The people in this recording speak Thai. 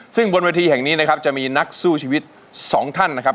ซึ่งบนเวทีแห่งนี้นะครับจะมีนักสู้ชีวิตสองท่านนะครับ